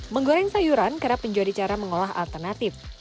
menggoreng sayuran kerap menjadi cara mengolah alternatif